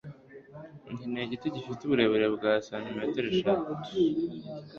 Nkeneye igiti gifite uburebure bwa santimetero eshatu.